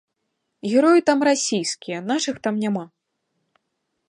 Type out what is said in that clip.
Героі там расійскія, нашых там няма.